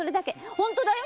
ホントだよ！